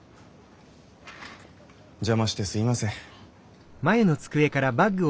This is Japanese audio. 邪魔してすいません。